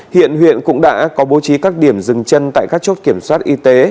hiện huyện cũng đã có bố trí các điểm dừng chân tại các chốt kiểm soát y tế